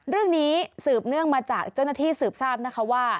เรื่องนี้สืบเนื่องมาจากเจ้าหน้าที่สืบทราบนะคะว่า